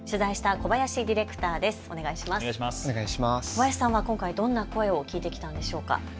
小林さんは今回、どんな声を聞いてきたんでしょうか。